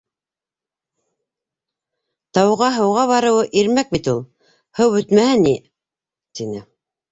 — Тауға һыуға барыуы ирмәк бит ул. Һыу бөтмәһә ни, — тине.